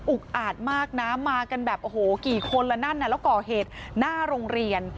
อาจมากนะมากันแบบโอ้โหกี่คนละนั่นแล้วก่อเหตุหน้าโรงเรียน